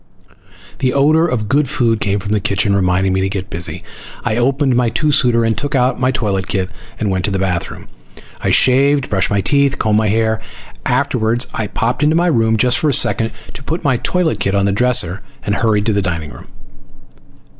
The odor of good food came from the kitchen, reminding me to get busy. I opened my two suiter and took out my toilet kit and went to the bathroom. I shaved, brushed my teeth, and combed my hair. Afterward I popped into my room just for a second to put my toilet kit on the dresser, and hurried to the dining room.